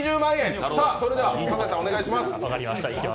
それでは葛西さん、お願いします。